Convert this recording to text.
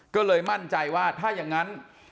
ก็เลยมั่นใจว่าถ้าอย่างนั้น